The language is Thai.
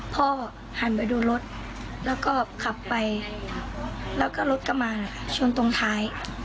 พ่อหันไปดูรถแล้วก็ขับไปแล้วก็รถก็มาชนตรงท้าย